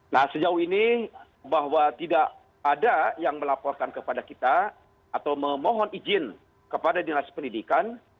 nah sejauh ini bahwa tidak ada yang melaporkan kepada kita atau memohon izin kepada dinas pendidikan